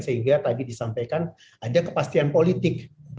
sehingga tadi disampaikan ada kepastian politik